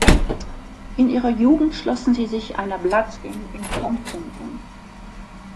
In ihrer Jugend schlossen sie sich einer Bloods-Gang in Compton an.